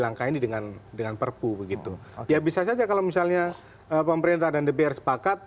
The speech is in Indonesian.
langkah ini dengan dengan perpu begitu ya bisa saja kalau misalnya pemerintah dan dpr sepakat